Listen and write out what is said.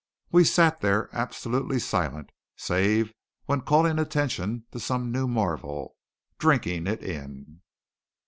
We sat there absolutely silent, save when calling attention to some new marvel, drinking it in.